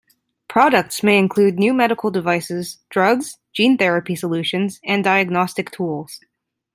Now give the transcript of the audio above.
Products may include new medical devices, drugs, gene therapy solutions and diagnostic tools.